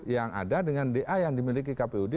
yang ada dengan da yang dimiliki kpud